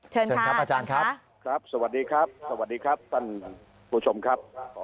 เชิญครับอาจารย์ครับครับสวัสดีครับสวัสดีครับท่านผู้ชมครับ